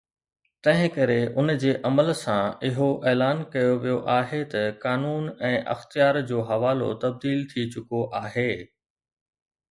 تنهن ڪري ان جي عمل سان اهو اعلان ڪيو ويو آهي ته قانون ۽ اختيار جو حوالو تبديل ٿي چڪو آهي